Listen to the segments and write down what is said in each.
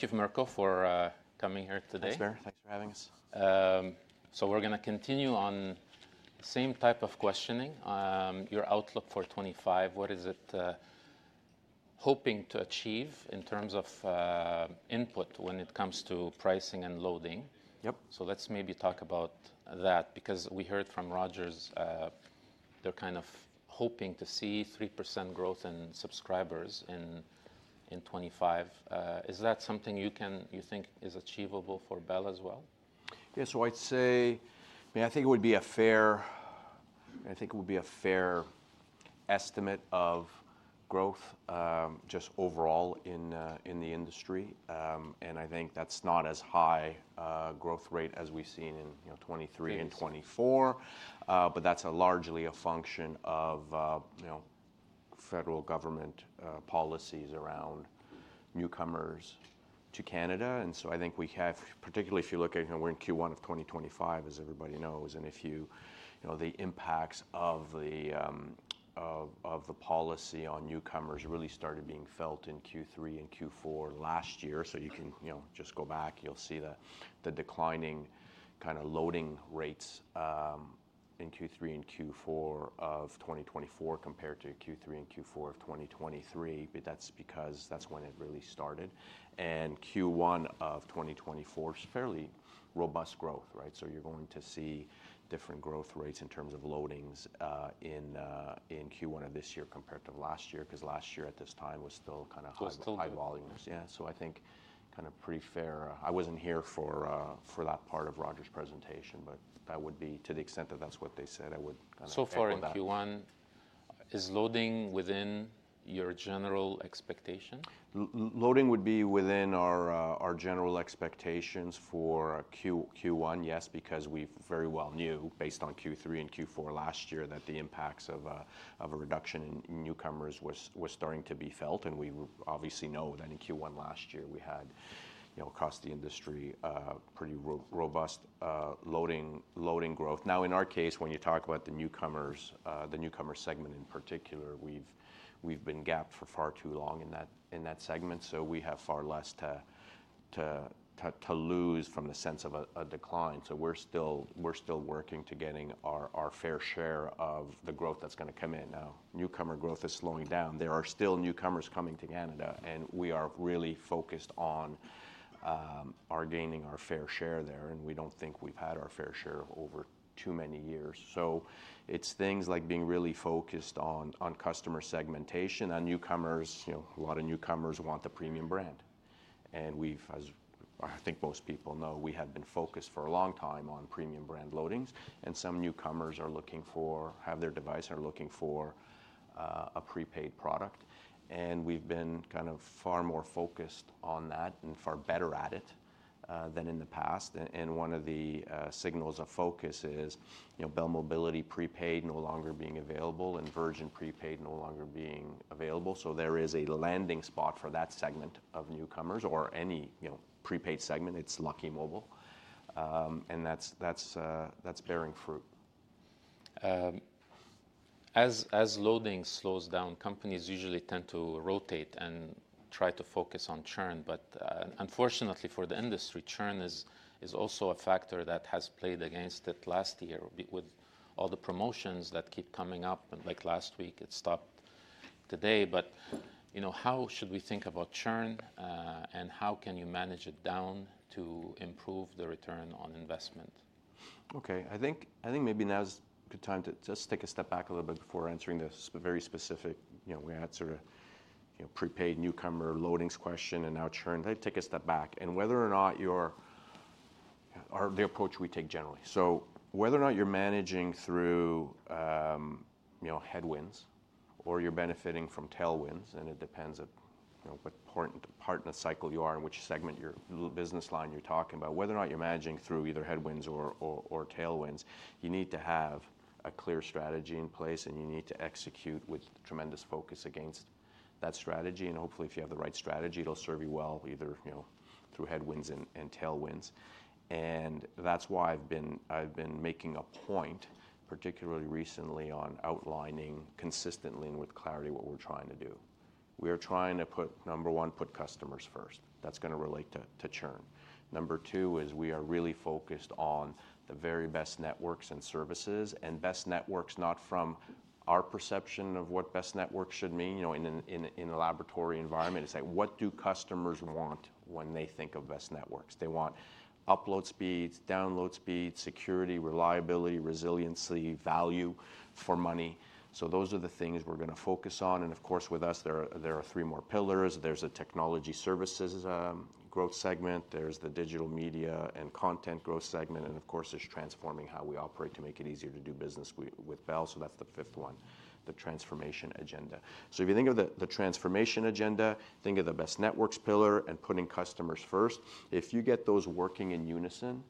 Thank you, Mirko, for coming here today. Thanks, Barry. Thanks for having us. So we're gonna continue on the same type of questioning. Your outlook for 2025, what is it, hoping to achieve in terms of input when it comes to pricing and loadings? Yep. So let's maybe talk about that because we heard from Rogers, they're kind of hoping to see 3% growth in subscribers in 2025. Is that something you can, you think, is achievable for Bell as well? Yeah. So I'd say, I mean, I think it would be a fair estimate of growth, just overall in the industry, and I think that's not as high growth rate as we've seen in, you know, 2023 and 2024. Yes. But that's largely a function of, you know, federal government policies around newcomers to Canada. And so I think we have, particularly if you look at, you know, we're in Q1 of 2025, as everybody knows. And if you, you know, the impacts of the policy on newcomers really started being felt in Q3 and Q4 last year. So you can, you know, just go back, you'll see the declining kind of loading rates in Q3 and Q4 of 2024 compared to Q3 and Q4 of 2023. But that's because that's when it really started. And Q1 of 2024 is fairly robust growth, right? So you're going to see different growth rates in terms of loadings in Q1 of this year compared to last year 'cause last year at this time was still kind of high volumes. So still. Yeah. So I think kind of pretty fair. I wasn't here for that part of Rogers' presentation, but that would be, to the extent that that's what they said, I would kind of. So far in Q1, is loadings within your general expectation? Loadings would be within our general expectations for Q1, yes, because we very well knew based on Q3 and Q4 last year that the impacts of a reduction in newcomers was starting to be felt, and we obviously know that in Q1 last year we had, you know, across the industry, pretty robust loadings growth. Now, in our case, when you talk about the newcomers, the newcomer segment in particular, we've been gapped for far too long in that segment. So we have far less to lose from the sense of a decline. So we're still working to getting our fair share of the growth that's gonna come in. Now, newcomer growth is slowing down. There are still newcomers coming to Canada, and we are really focused on gaining our fair share there. And we don't think we've had our fair share over too many years. So it's things like being really focused on customer segmentation. On newcomers, you know, a lot of newcomers want the premium brand. And we've, as I think most people know, we have been focused for a long time on premium brand loadings. And some newcomers have their device and are looking for a prepaid product. And we've been kind of far more focused on that and far better at it than in the past. And one of the signals of focus is, you know, Bell Mobility prepaid no longer being available and Virgin prepaid no longer being available. So there is a landing spot for that segment of newcomers or any, you know, prepaid segment. It's Lucky Mobile. And that's bearing fruit. As loadings slow down, companies usually tend to rotate and try to focus on churn. But, unfortunately for the industry, churn is also a factor that has played against it last year with all the promotions that keep coming up. And like last week, it stopped today. But, you know, how should we think about churn, and how can you manage it down to improve the return on investment? Okay. I think maybe now's a good time to just take a step back a little bit before answering this very specific, you know. We answered, you know, prepaid newcomer loadings question and now churn. Let me take a step back and whether or not you're or the approach we take generally. So whether or not you're managing through, you know, headwinds or you're benefiting from tailwinds, and it depends on, you know, what part in the cycle you are and which segment your business line you're talking about, whether or not you're managing through either headwinds or tailwinds, you need to have a clear strategy in place, and you need to execute with tremendous focus against that strategy, and hopefully, if you have the right strategy, it'll serve you well either, you know, through headwinds and tailwinds. And that's why I've been, I've been making a point particularly recently on outlining consistently and with clarity what we're trying to do. We are trying to put, number one, put customers first. That's gonna relate to, to churn. Number two is we are really focused on the very best networks and services and best networks, not from our perception of what best networks should mean, you know, in a laboratory environment. It's like, what do customers want when they think of best networks? They want upload speeds, download speeds, security, reliability, resiliency, value for money. So those are the things we're gonna focus on. And of course, with us, there are three more pillars. There's a technology services, growth segment. There's the digital media and content growth segment. Of course, there's transforming how we operate to make it easier to do business with Bell. That's the fifth one, the transformation agenda. If you think of the transformation agenda, think of the best networks pillar and putting customers first. If you get those working in unison,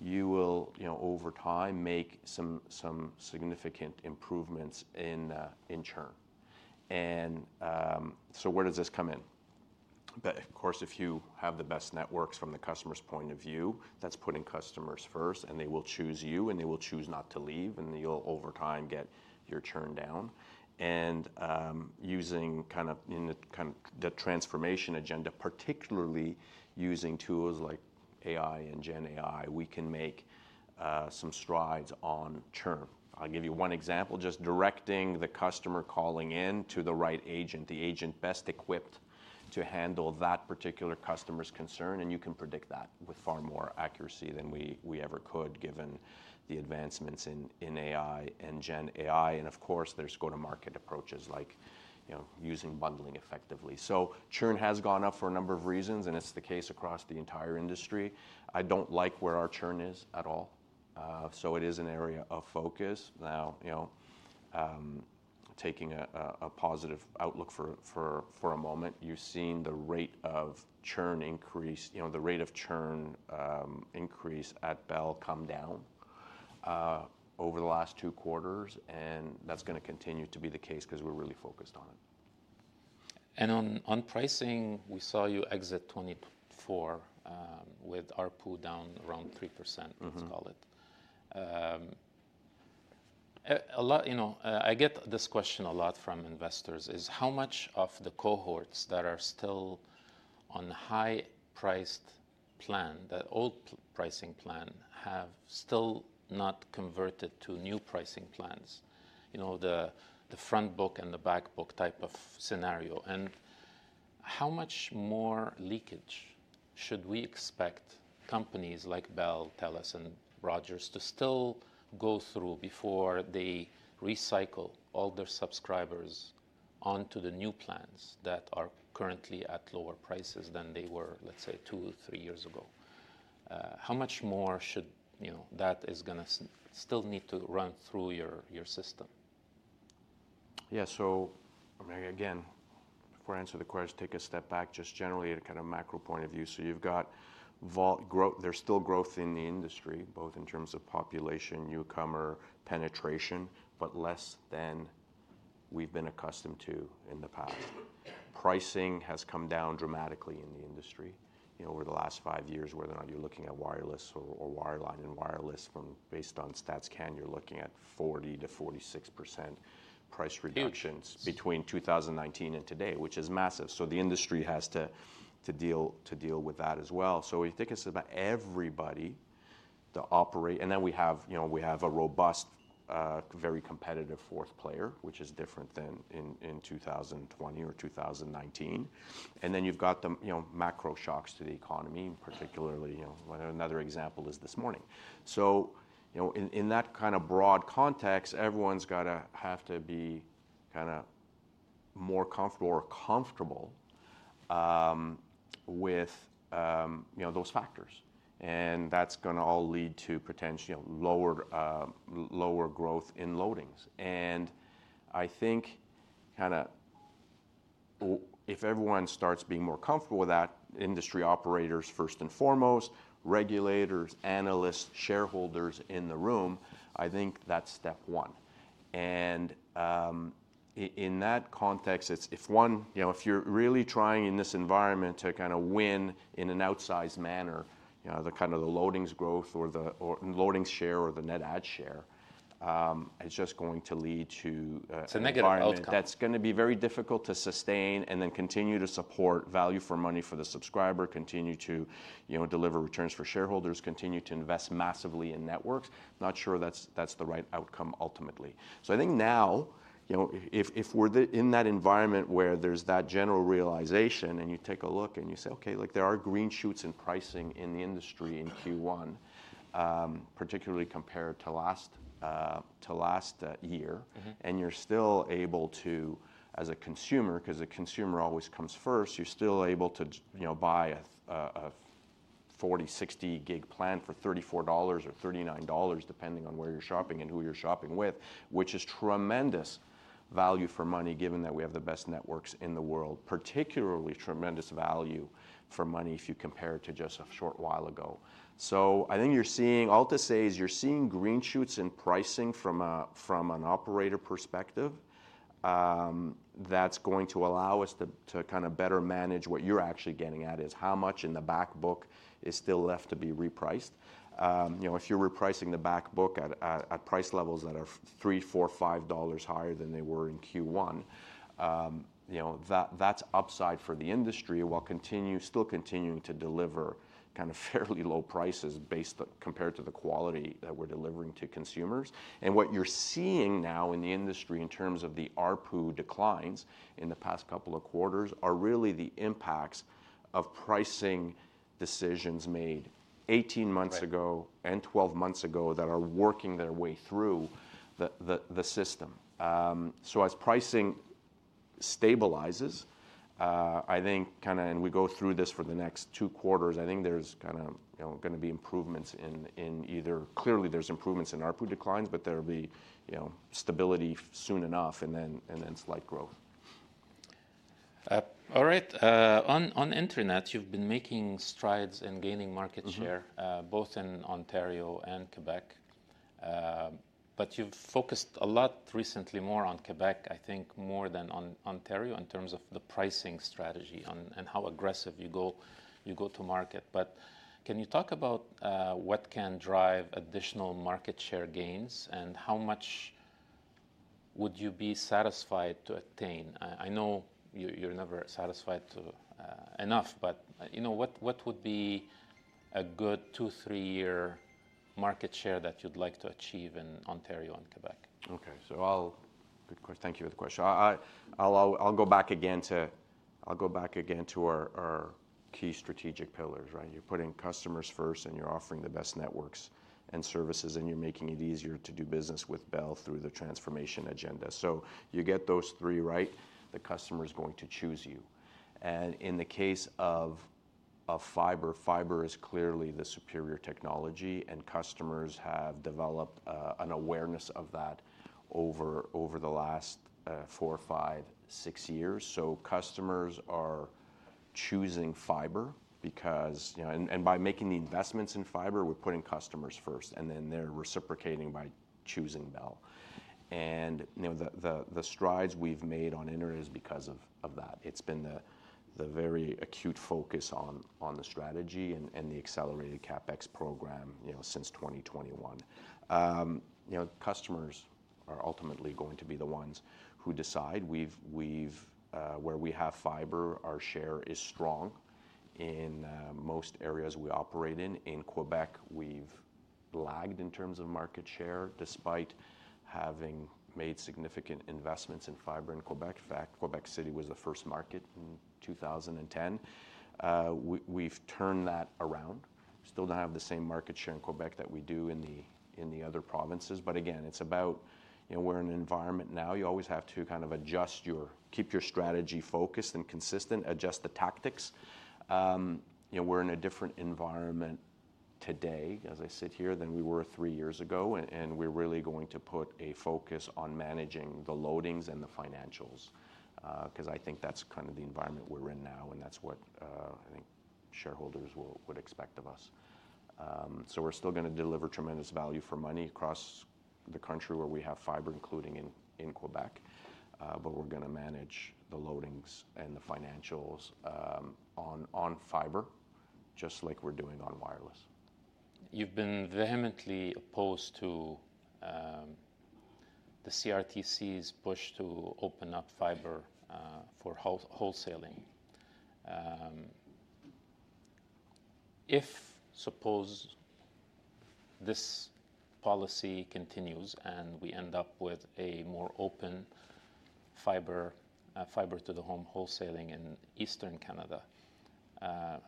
you will, you know, over time make some significant improvements in churn. Where does this come in? Of course, if you have the best networks from the customer's point of view, that's putting customers first, and they will choose you, and they will choose not to leave, and you'll over time get your churn down. Using kind of in the transformation agenda, particularly using tools like AI and GenAI, we can make some strides on churn. I'll give you one example. Just directing the customer calling in to the right agent, the agent best equipped to handle that particular customer's concern. And you can predict that with far more accuracy than we ever could given the advancements in AI and GenAI. And of course, there's go-to-market approaches like, you know, using bundling effectively. So churn has gone up for a number of reasons, and it's the case across the entire industry. I don't like where our churn is at all. So it is an area of focus. Now, you know, taking a positive outlook for a moment, you've seen the rate of churn increase, you know, the rate of churn increase at Bell come down, over the last two quarters. And that's gonna continue to be the case 'cause we're really focused on it. On pricing, we saw you exit 2024, with ARPU down around 3%. Mm-hmm. Let's call it a lot, you know. I get this question a lot from investors: how much of the cohorts that are still on high-priced plan, that old pricing plan, have still not converted to new pricing plans, you know, the front book and the back book type of scenario. And how much more leakage should we expect companies like Bell, TELUS, and Rogers to still go through before they recycle all their subscribers onto the new plans that are currently at lower prices than they were, let's say, two, three years ago? How much more should, you know, that is gonna still need to run through your system? Yeah. So I mean, again, before I answer the question, take a step back just generally at a kind of macro point of view. So you've got volume growth. There's still growth in the industry, both in terms of population, newcomer penetration, but less than we've been accustomed to in the past. Pricing has come down dramatically in the industry, you know, over the last five years, whether or not you're looking at wireless or wireline and wireless, based on StatCan, you're looking at 40%-46% price reductions between 2019 and today, which is massive. So the industry has to deal with that as well. So we think it's about everybody to operate. And then we have, you know, we have a robust, very competitive fourth player, which is different than in 2020 or 2019. And then you've got the, you know, macro shocks to the economy, particularly. You know, another example is this morning. So, you know, in that kind of broad context, everyone's gotta have to be kinda more comfortable with those factors. And that's gonna all lead to potential lower growth in loadings. And I think if everyone starts being more comfortable with that, industry operators first and foremost, regulators, analysts, shareholders in the room, I think that's step one. And in that context, it's if one, you know, if you're really trying in this environment to kinda win in an outsized manner, you know, the loadings growth or the loadings share or the net add share, it's just going to lead to a spiral. So negative outcome. That's gonna be very difficult to sustain and then continue to support value for money for the subscriber, continue to, you know, deliver returns for shareholders, continue to invest massively in networks. Not sure that's the right outcome ultimately. So I think now, you know, if we're in that environment where there's that general realization and you take a look and you say, okay, look, there are green shoots in pricing in the industry in Q1, particularly compared to last year. Mm-hmm. You're still able to, as a consumer, 'cause the consumer always comes first, you're still able to, you know, buy a 40 GB, 60 GB plan for 34 dollars or 39 dollars depending on where you're shopping and who you're shopping with, which is tremendous value for money given that we have the best networks in the world, particularly tremendous value for money if you compare it to just a short while ago. So I think you're seeing, all to say is you're seeing green shoots in pricing from an operator perspective, that's going to allow us to kinda better manage what you're actually getting at is how much in the back book is still left to be repriced. You know, if you're repricing the back book at price levels that are 3, 4, 5 dollars higher than they were in Q1, you know, that's upside for the industry while continuing, still continuing to deliver kind of fairly low prices based compared to the quality that we're delivering to consumers. And what you're seeing now in the industry in terms of the ARPU declines in the past couple of quarters are really the impacts of pricing decisions made 18 months ago and 12 months ago that are working their way through the system. So as pricing stabilizes, I think kinda, and we go through this for the next two quarters, I think there's kinda, you know, gonna be improvements in either clearly there's improvements in ARPU declines, but there'll be, you know, stability soon enough and then slight growth. All right. On internet, you've been making strides and gaining market share, both in Ontario and Quebec, but you've focused a lot recently more on Quebec, I think more than on Ontario in terms of the pricing strategy and how aggressive you go to market. But can you talk about what can drive additional market share gains and how much would you be satisfied to attain? I know you, you're never satisfied to enough, but you know, what would be a good 2-3 years market share that you'd like to achieve in Ontario and Quebec? Okay, so I'll thank you for the question. I'll go back again to our key strategic pillars, right? You're putting customers first and you're offering the best networks and services and you're making it easier to do business with Bell through the transformation agenda, so you get those three right, the customer's going to choose you, and in the case of fiber, fiber is clearly the superior technology and customers have developed an awareness of that over the last four, five, six years, so customers are choosing fiber because, you know, by making the investments in fiber, we're putting customers first and then they're reciprocating by choosing Bell, and you know, the strides we've made on internet is because of that. It's been the very acute focus on the strategy and the accelerated CapEx program, you know, since 2021. You know, customers are ultimately going to be the ones who decide. We've where we have fiber, our share is strong in most areas we operate in. In Quebec, we've lagged in terms of market share despite having made significant investments in fiber in Quebec. In fact, Quebec City was the first market in 2010. We've turned that around. We still don't have the same market share in Quebec that we do in the other provinces, but again, it's about, you know, we're in an environment now. You always have to kind of adjust, keep your strategy focused and consistent, adjust the tactics. You know, we're in a different environment today as I sit here than we were three years ago. We're really going to put a focus on managing the loadings and the financials, 'cause I think that's kind of the environment we're in now and that's what I think shareholders will would expect of us, so we're still gonna deliver tremendous value for money across the country where we have fiber, including in Quebec, but we're gonna manage the loadings and the financials on fiber just like we're doing on wireless. You've been vehemently opposed to the CRTC's push to open up fiber for wholesale wholesaling. I suppose this policy continues and we end up with a more open fiber-to-the-home wholesaling in Eastern Canada,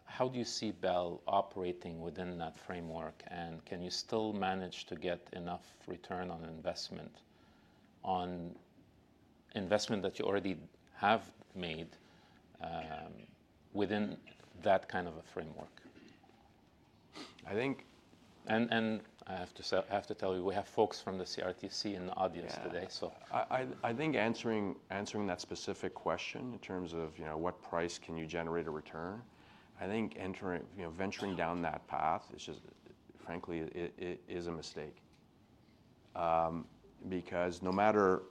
how do you see Bell operating within that framework? And can you still manage to get enough return on investment that you already have made, within that kind of a framework? I think. I have to say, I have to tell you, we have folks from the CRTC in the audience today. Yeah. So. I think answering that specific question in terms of, you know, what price can you generate a return, I think entering, you know, venturing down that path is just, frankly, it is a mistake. Because no matter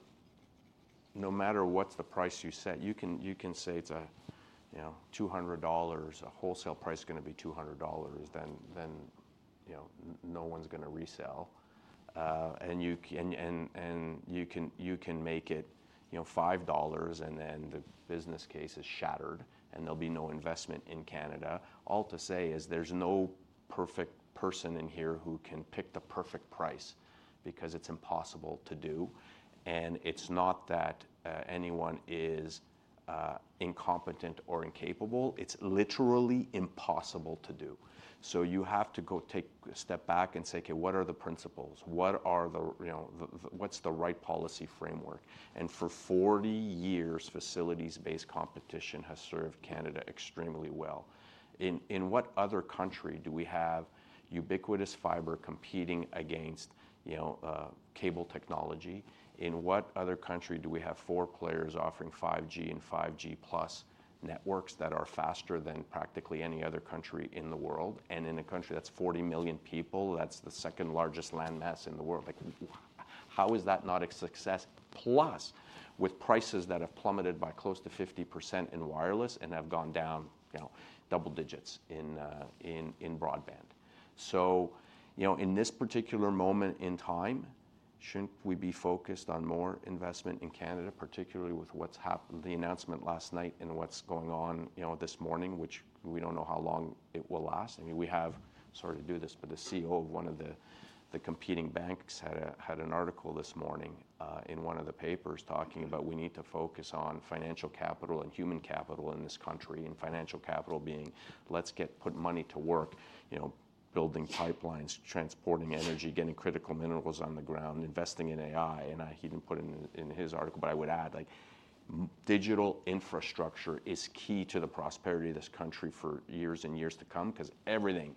what's the price you set, you can say it's a, you know, 200 dollars, a wholesale price is gonna be 200 dollars, then, you know, no one's gonna resell. You can make it, you know, 5 dollars and then the business case is shattered and there'll be no investment in Canada. All to say is there's no perfect person in here who can pick the perfect price because it's impossible to do. It's not that anyone is incompetent or incapable. It's literally impossible to do. So you have to go take a step back and say, okay, what are the principles? What are the, you know, what's the right policy framework? And for 40 years, facilities-based competition has served Canada extremely well. In what other country do we have ubiquitous fiber competing against, you know, cable technology? In what other country do we have four players offering 5G and 5G+ networks that are faster than practically any other country in the world? And in a country that's 40 million people, that's the second largest landmass in the world. Like, how is that not a success? Plus with prices that have plummeted by close to 50% in wireless and have gone down, you know, double digits in broadband. You know, in this particular moment in time, shouldn't we be focused on more investment in Canada, particularly with what's happened, the announcement last night and what's going on, you know, this morning, which we don't know how long it will last? I mean, we have, sorry to do this, but the CEO of one of the competing banks had an article this morning, in one of the papers talking about we need to focus on financial capital and human capital in this country and financial capital being, let's get put money to work, you know, building pipelines, transporting energy, getting critical minerals on the ground, investing in AI. He didn't put it in his article, but I would add like digital infrastructure is key to the prosperity of this country for years and years to come 'cause everything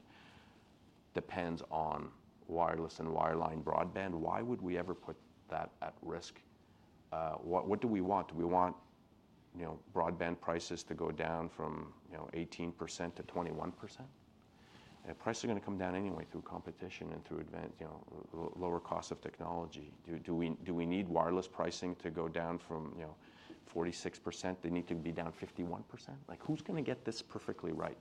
depends on wireless and wireline broadband. Why would we ever put that at risk? What do we want? Do we want, you know, broadband prices to go down from, you know, 18%-21%? Prices are gonna come down anyway through competition and through advance, you know, lower cost of technology. Do we need wireless pricing to go down from, you know, 46%? They need to be down 51%. Like who's gonna get this perfectly right?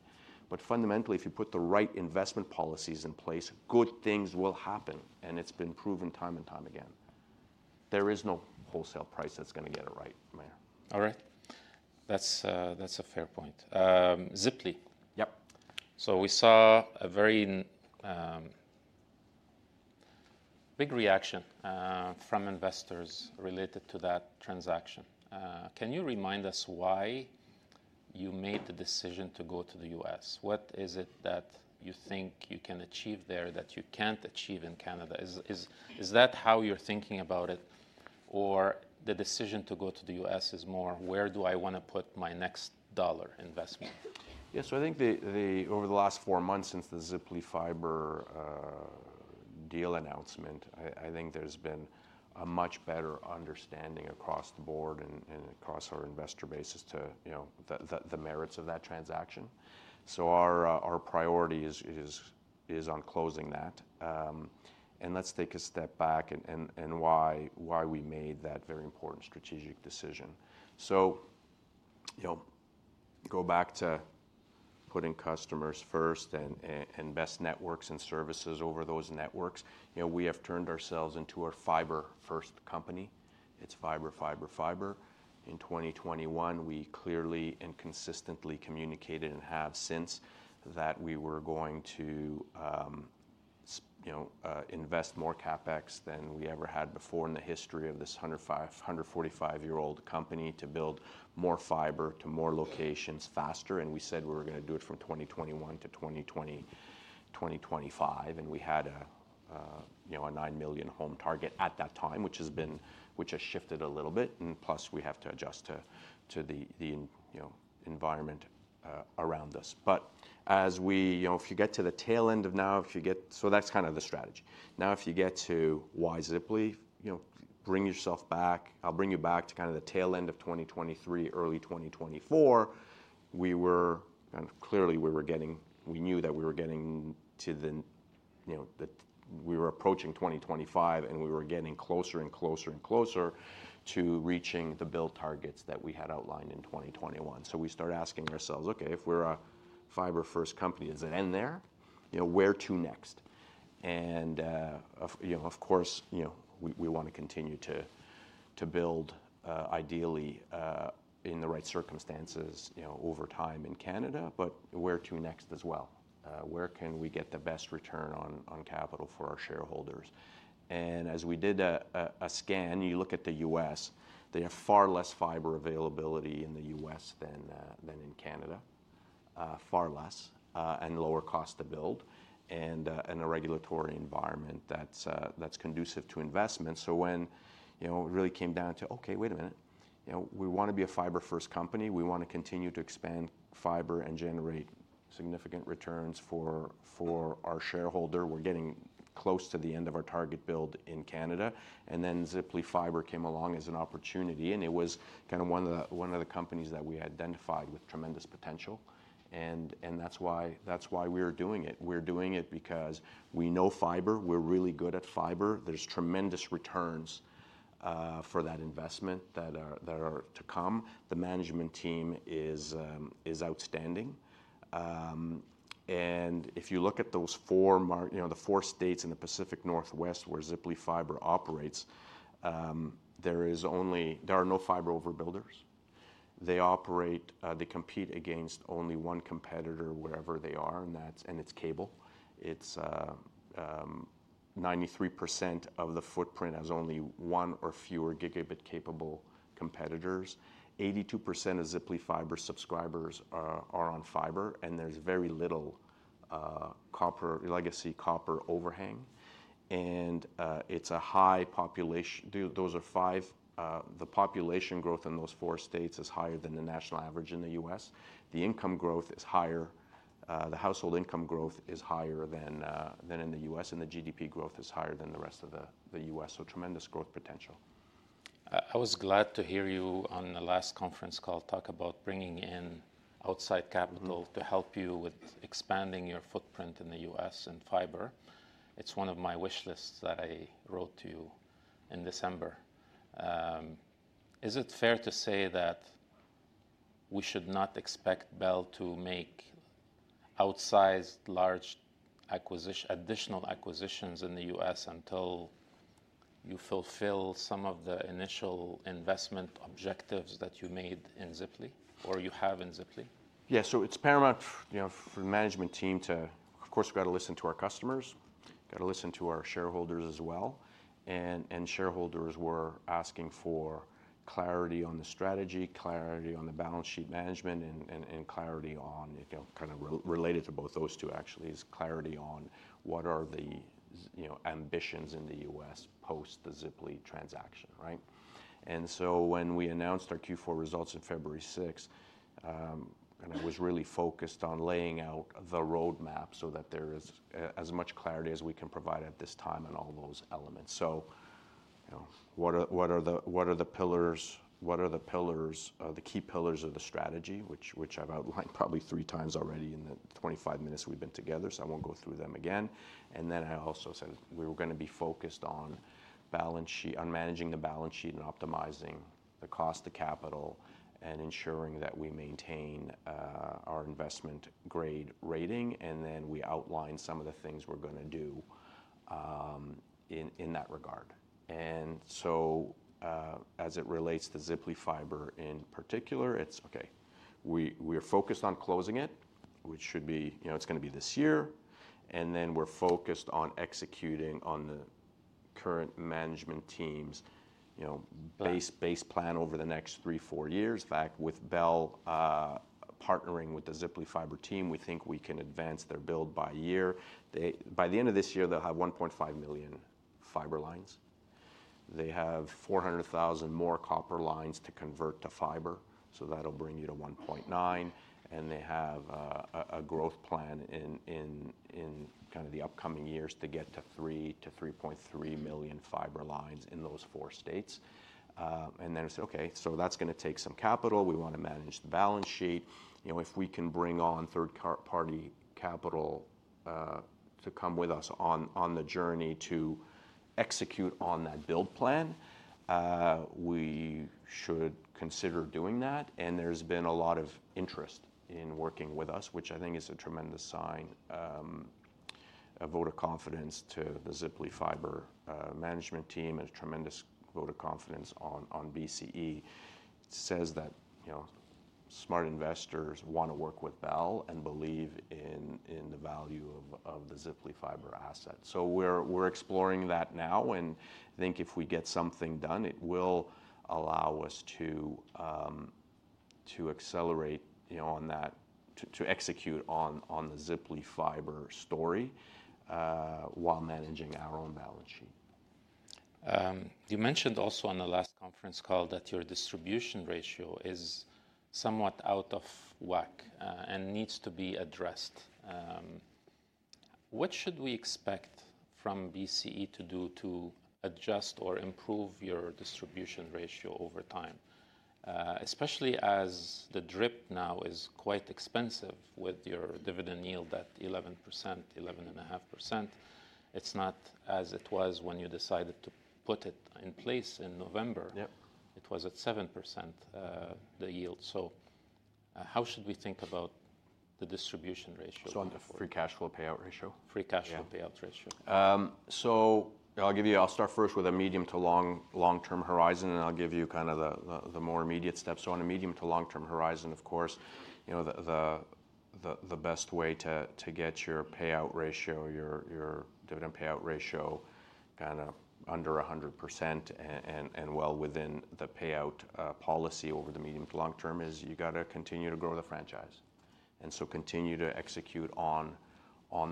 Fundamentally, if you put the right investment policies in place, good things will happen. It's been proven time and time again. There is no wholesale price that's gonna get it right, Barry. All right. That's, that's a fair point. Ziply. Yep. So we saw a very big reaction from investors related to that transaction. Can you remind us why you made the decision to go to the U.S.? What is it that you think you can achieve there that you can't achieve in Canada? Is that how you're thinking about it? Or the decision to go to the U.S. is more where do I wanna put my next dollar investment? Yeah. So I think over the last four months since the Ziply Fiber deal announcement, I think there's been a much better understanding across the board and across our investor basis to you know the merits of that transaction. So our priority is on closing that. And let's take a step back and why we made that very important strategic decision. So you know go back to putting customers first and best networks and services over those networks. You know we have turned ourselves into our fiber first company. It's fiber fiber fiber. In 2021 we clearly and consistently communicated and have since that we were going to you know invest more CapEx than we ever had before in the history of this 145-year-old company to build more fiber to more locations faster. We said we were gonna do it from 2021 to 2025. We had a, you know, a 9 million home target at that time, which has shifted a little bit. Plus we have to adjust to the, you know, environment around us. But as we, you know, if you get to the tail end of now, if you get, so that's kind of the strategy. Now, if you get to why Ziply, you know, bring yourself back, I'll bring you back to kind of the tail end of 2023, early 2024, we were kind of clearly we were getting, we knew that we were getting to the, you know, that we were approaching 2025 and we were getting closer and closer and closer to reaching the build targets that we had outlined in 2021. So we start asking ourselves, okay, if we're a fiber first company, does it end there? You know, where to next? And, you know, of course, you know, we wanna continue to build, ideally, in the right circumstances, you know, over time in Canada, but where to next as well? Where can we get the best return on capital for our shareholders? And as we did a scan, you look at the U.S., they have far less fiber availability in the U.S. than in Canada, far less, and lower cost to build and a regulatory environment that's conducive to investment. So when, you know, it really came down to, okay, wait a minute, you know, we wanna be a fiber first company. We wanna continue to expand fiber and generate significant returns for our shareholder. We're getting close to the end of our target build in Canada. And then Ziply Fiber came along as an opportunity and it was kind of one of the companies that we identified with tremendous potential. And that's why we are doing it. We're doing it because we know fiber, we're really good at fiber. There's tremendous returns for that investment that are to come. The management team is outstanding. And if you look at those four markets, you know, the four states in the Pacific Northwest where Ziply Fiber operates, there are no fiber overbuilders. They operate, they compete against only one competitor wherever they are. And that's cable. 93% of the footprint has only one or fewer gigabit-capable competitors. 82% of Ziply Fiber subscribers are on fiber. There's very little legacy copper overhang. It's a high population. Those are five. The population growth in those four states is higher than the national average in the U.S. The income growth is higher. The household income growth is higher than in the U.S. The GDP growth is higher than the rest of the U.S. Tremendous growth potential. I was glad to hear you on the last conference call talk about bringing in outside capital to help you with expanding your footprint in the U.S. and fiber. It's one of my wish lists that I wrote to you in December. Is it fair to say that we should not expect Bell to make outsized large acquisition, additional acquisitions in the U.S. until you fulfill some of the initial investment objectives that you made in Ziply or you have in Ziply? Yeah. So it's paramount, you know, for the management team to, of course, we gotta listen to our customers, gotta listen to our shareholders as well. And shareholders were asking for clarity on the strategy, clarity on the balance sheet management, and clarity on, you know, kind of related to both those two actually is clarity on what are the, you know, ambitions in the U.S. post the Ziply transaction, right? And so when we announced our Q4 results on February 6th, and I was really focused on laying out the roadmap so that there is, as much clarity as we can provide at this time on all those elements. So, you know, what are the pillars, the key pillars of the strategy, which I've outlined probably three times already in the 25 minutes we've been together. So I won't go through them again. And then I also said we were gonna be focused on balance sheet, on managing the balance sheet and optimizing the cost of capital and ensuring that we maintain our investment grade rating. And then we outlined some of the things we're gonna do in that regard. And so, as it relates to Ziply Fiber in particular, it's okay, we are focused on closing it, which should be, you know, it's gonna be this year. And then we're focused on executing on the current management team's, you know, base plan over the next three, four years. In fact, with Bell partnering with the Ziply Fiber team, we think we can advance their build by year. They, by the end of this year, they'll have 1.5 million fiber lines. They have 400,000 more copper lines to convert to fiber. That'll bring you to 1.9. And they have a growth plan in kind of the upcoming years to get to 3-3.3 million fiber lines in those four states. Then I said, okay, so that's gonna take some capital. We wanna manage the balance sheet. You know, if we can bring on third party capital to come with us on the journey to execute on that build plan, we should consider doing that. And there's been a lot of interest in working with us, which I think is a tremendous sign, a vote of confidence to the Ziply Fiber management team and a tremendous vote of confidence on BCE. That says that, you know, smart investors wanna work with Bell and believe in the value of the Ziply Fiber asset. We're exploring that now. I think if we get something done, it will allow us to accelerate, you know, on that, to execute on the Ziply Fiber story, while managing our own balance sheet. You mentioned also on the last conference call that your distribution ratio is somewhat out of whack, and needs to be addressed. What should we expect from BCE to do to adjust or improve your distribution ratio over time? Especially as the DRIP now is quite expensive with your dividend yield at 11%-11.5%. It's not as it was when you decided to put it in place in November. Yep. It was at 7%, the yield. So, how should we think about the distribution ratio? It's on the free cash flow payout ratio. Free cash flow payout ratio. Yeah. So I'll give you. I'll start first with a medium- to long-term horizon, and I'll give you kind of the more immediate steps. So on a medium- to long-term horizon, of course, you know, the best way to get your payout ratio, your dividend payout ratio kind of under 100% and well within the payout policy over the medium to long term is you gotta continue to grow the franchise and so continue to execute on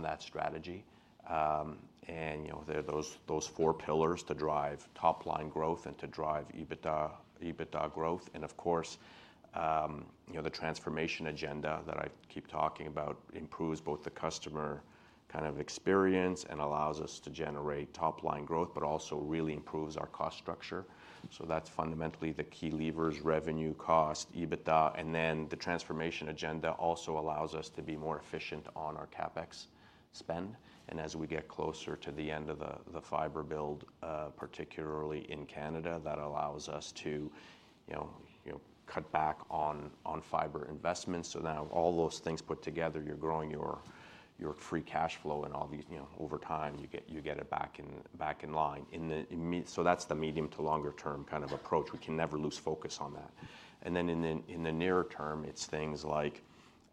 that strategy. And you know, there are those four pillars to drive top line growth and to drive EBITDA growth. And of course, you know, the transformation agenda that I keep talking about improves both the customer kind of experience and allows us to generate top line growth, but also really improves our cost structure. So that's fundamentally the key levers: revenue, cost, EBITDA. And then the transformation agenda also allows us to be more efficient on our CapEx spend. And as we get closer to the end of the fiber build, particularly in Canada, that allows us to, you know, cut back on fiber investments. So now all those things put together, you're growing your free cash flow and all these, you know, over time you get it back in line, I mean. So that's the medium to longer term kind of approach. We can never lose focus on that. And then in the near term, it's things like,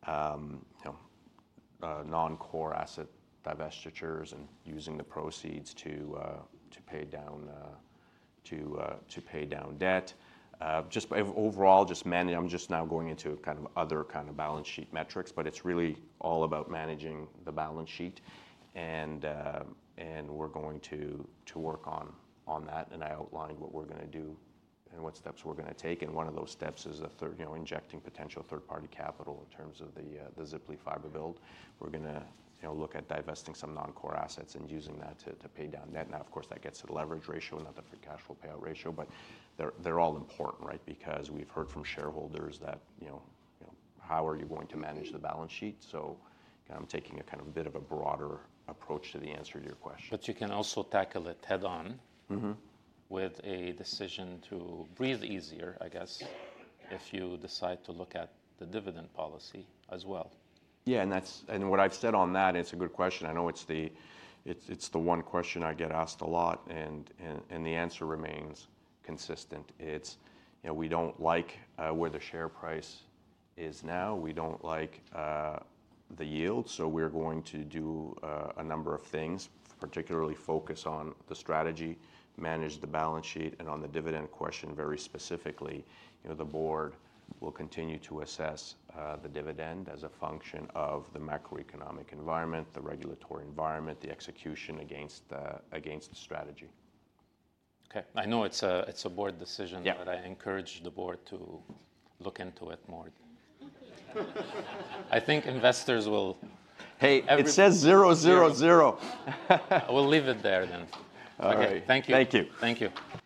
you know, non-core asset divestitures and using the proceeds to pay down debt. Just overall, just managing. I'm just now going into a kind of other kind of balance sheet metrics, but it's really all about managing the balance sheet. And we're going to work on that. And I outlined what we're gonna do and what steps we're gonna take. And one of those steps is, you know, injecting potential third party capital in terms of the Ziply Fiber build. We're gonna, you know, look at divesting some non-core assets and using that to pay down debt. Now, of course, that gets to the leverage ratio, not the free cash flow payout ratio, but they're all important, right? Because we've heard from shareholders that, you know, how are you going to manage the balance sheet? I'm taking a bit of a broader approach to the answer to your question. But you can also tackle it head on. Mm-hmm. With a decision to breathe easier, I guess, if you decide to look at the dividend policy as well. Yeah. And that's what I've said on that, and it's a good question. I know it's the one question I get asked a lot, and the answer remains consistent. It's, you know, we don't like where the share price is now. We don't like the yield. So we are going to do a number of things, particularly focus on the strategy, manage the balance sheet, and on the dividend question very specifically. You know, the board will continue to assess the dividend as a function of the macroeconomic environment, the regulatory environment, the execution against the strategy. Okay. I know it's a board decision. Yeah. But I encourage the board to look into it more. I think investors will. Hey, it says zero, zero, zero. We'll leave it there then. All right. Okay. Thank you. Thank you. Thank you.